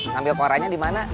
ngambil korannya dimana